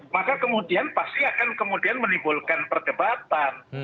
maka kemudian pasti akan kemudian menimbulkan perdebatan